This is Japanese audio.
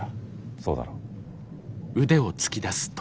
そうだろう？